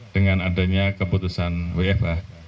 dengan adanya keputusan wfa